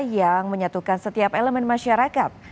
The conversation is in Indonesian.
yang menyatukan setiap elemen masyarakat